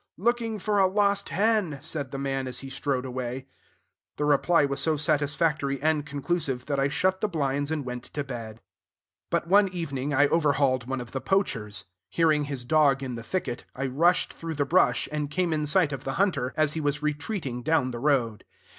"Looking for a lost hen," said the man as he strode away. The reply was so satisfactory and conclusive that I shut the blinds and went to bed. But one evening I overhauled one of the poachers. Hearing his dog in the thicket, I rushed through the brush, and came in sight of the hunter as he was retreating down the road.